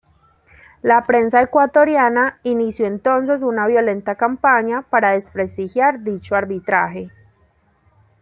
La prensa ecuatoriana inició entonces una violenta campaña para desprestigiar dicho arbitraje.